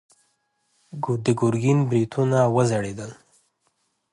د ګرګين برېتونه وځړېدل.